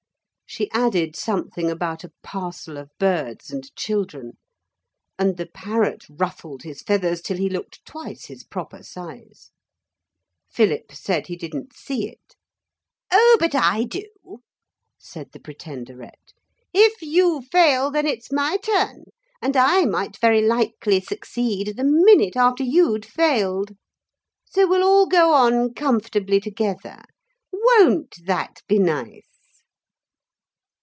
She added something about a parcel of birds and children. And the parrot ruffled his feathers till he looked twice his proper size. Philip said he didn't see it. 'Oh, but I do,' said the Pretenderette; 'if you fail, then it's my turn, and I might very likely succeed the minute after you'd failed. So we'll all go on comfortably together. Won't that be nice?'